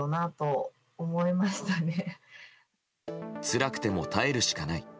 つらくても耐えるしかない。